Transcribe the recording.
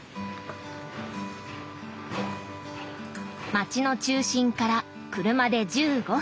街の中心から車で１５分。